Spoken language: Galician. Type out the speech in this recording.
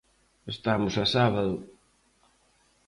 Estamos a sábado.